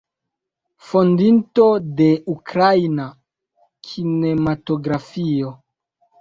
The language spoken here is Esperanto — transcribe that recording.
Fondinto de ukraina kinematografio.